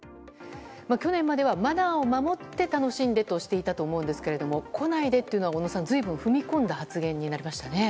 去年まではマナーを守って楽しんでとしていたと思うんですけれども、来ないでというのは、小野さん、ずいぶん踏み込んだ発言になりましたね。